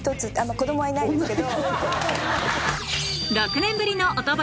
子供はいないんですけど。